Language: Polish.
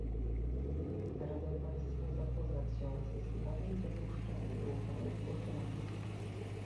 Radzę państwu zapoznać się z zasadami dopuszczenia do udziału w głosowaniu